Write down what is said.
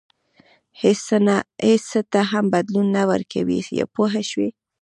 هېڅ څه ته هم بدلون نه ورکوي پوه شوې!.